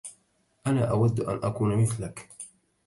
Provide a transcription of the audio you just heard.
أنا أود أن أكون مثلك.